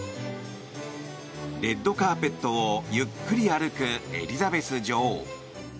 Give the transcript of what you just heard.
レッドカーペットをゆっくり歩くエリザベス女王。